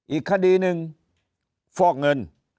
อีกคดีหนึ่งฟอกเงิน